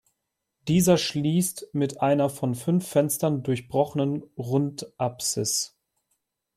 Dieser schließt mit einer von fünf Fenstern durchbrochenen Rundapsis.